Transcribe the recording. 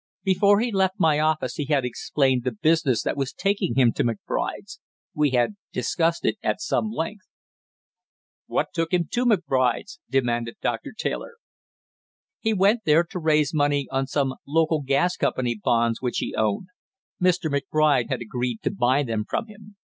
Before he left my office he had explained the business that was taking him to McBride's; we had discussed it at some length." "What took him to McBride's?" demanded Doctor Taylor. "He went there to raise money on some local gas company bonds which he owned. Mr. McBride had agreed to buy them from him.